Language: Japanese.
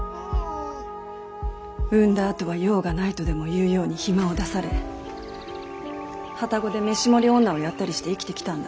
産んだあとは用がないとでも言うように暇を出され旅籠で飯盛女をやったりして生きてきたんだ。